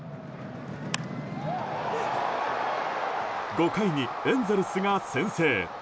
５回にエンゼルスが先制。